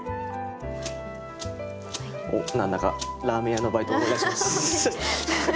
おっ何だかラーメン屋のバイトを思い出します。